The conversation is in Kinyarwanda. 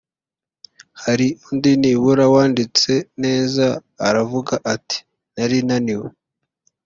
Hari undi nibura wanditse neza aravuga ati nari naniwe